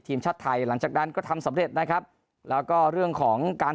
ทีมชาติไทยหลังจากนั้นก็ทำสำเร็จนะครับแล้วก็เรื่องของการ